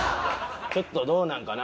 ちょっとどうなんかな？